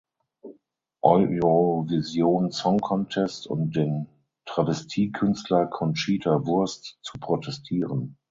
Eurovision Song Contest und den Travestiekünstler Conchita Wurst zu protestieren.